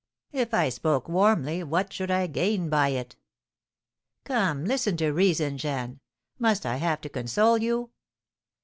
"If I spoke warmly what should I gain by it? Come, listen to reason, Jeanne. Must I have to console you?"